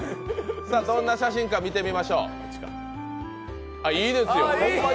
どんな写真か見てみましょう。